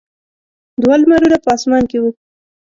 دوه لمرونه په اسمان کې وو.